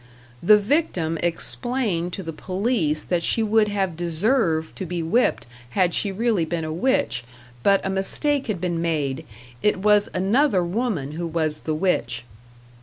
The victim explained to the police that she would have deserved to be whipped had she really been a witch, but a mistake had been made it was another woman who was the witch.